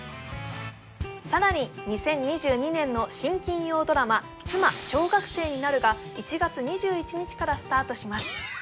さらに２０２２年の新金曜ドラマ「妻、小学生になる。」が１月２１日からスタートします